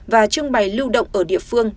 và trưng bày lưu động ở địa phương